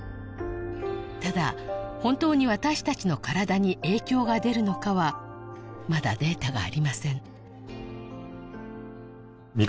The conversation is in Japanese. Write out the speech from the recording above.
ただ本当に私たちの体に影響が出るのかはまだデータがありません